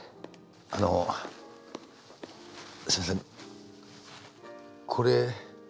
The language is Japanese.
あのすいませんこれ。